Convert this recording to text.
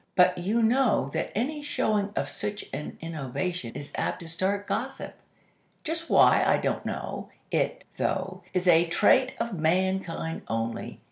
But you know that any showing of such an innovation is apt to start gossip. Just why, I don't know. It, though, is a trait of Mankind only.